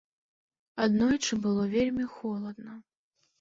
Аднойчы было вельмі холадна.